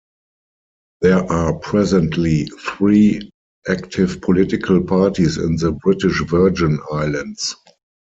There are presently three active political parties in the British Virgin Islands.